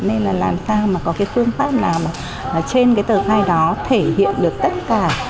nên là làm sao mà có cái phương pháp nào mà trên cái tờ khai đó thể hiện được tất cả